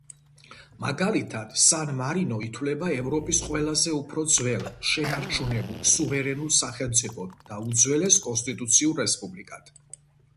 მაგალითად, სან-მარინო ითვლება ევროპის ყველაზე უფრო ძველ შენარჩუნებულ სუვერენულ სახელმწიფოდ და უძველეს კონსტიტუციურ რესპუბლიკად.